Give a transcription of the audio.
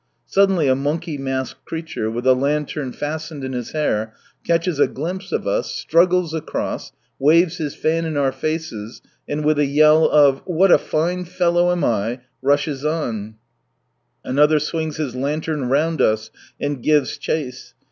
Suddenly a monkey masked creature, with a lantern fastened in his hair, catches a glimpse of us, struggles across, waves his fan in our faces, and with a yell of " What a fine fellow am I !" rushes on ; another swings his lantern round us, and gives chase.